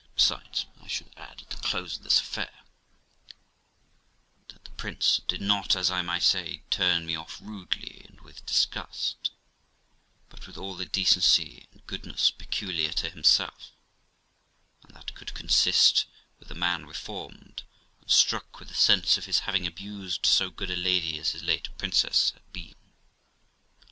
Besides, I should add, at the close of this affair, that the prince did not, as I may say, turn me off rudely and with disgust, but with all the decency and goodness peculiar to himself, and that could consist with a man reformed and struck with the sense of his having abused so good a lady as his late princess had been.